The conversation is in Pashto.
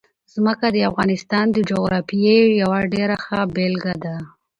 ځمکه د افغانستان د جغرافیې یوه ډېره ښه بېلګه ده.